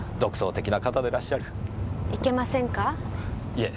いえ